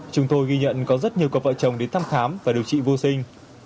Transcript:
chúng tôi ghi nhận có rất nhiều cặp vợ chồng đến thăm khám và điều trị vô sinh